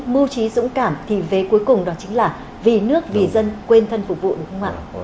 mưu trí dũng cảm thì về cuối cùng đó chính là vì nước vì dân quên thân phục vụ đúng không ạ